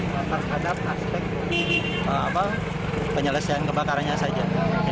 tapi hanya bisa menunjukkan terhadap aspek penyelesaian kebakarannya saja